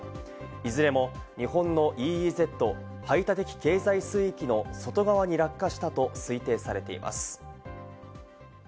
いずれも日本のＥＥＺ＝排他的経済水域の外側に落下したと推定されています。